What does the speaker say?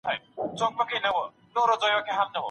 موږ باید له ډاره ماڼۍ ړنګه نه کړو.